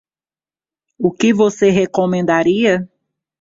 O que você recomendaria?